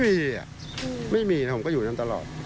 ไม่มีไม่มีนะผมก็อยู่นั่นตลอด